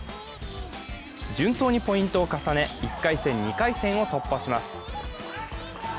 順当にポイントを重ね、１回戦、２回戦を突破します。